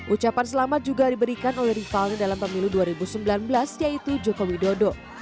ucapan selamat juga diberikan oleh rivalnya dalam pemilu dua ribu sembilan belas yaitu joko widodo